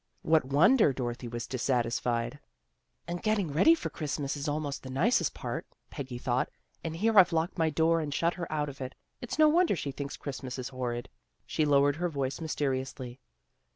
What wonder Dorothy was dissatisfied? " And getting ready for Christmas is almost the nicest part," Peggy thought. " And here I've locked my door and shut her out of it. It's no wonder she thinks Christmas is horrid." She lowered her voice mysteriously.